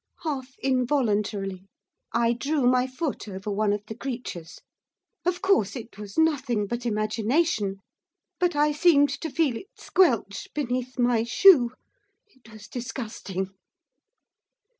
Half involuntarily, I drew my foot over one of the creatures. Of course, it was nothing but imagination; but I seemed to feel it squelch beneath my shoe. It was disgusting.